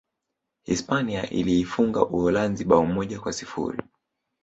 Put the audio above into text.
Hispania iliifunga Uholanzi bao moja kwa sifuri